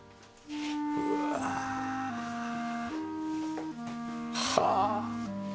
うわあ。はあ。